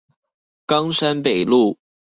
岡山北路